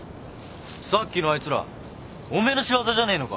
さっきのあいつらお前の仕業じゃねえのか？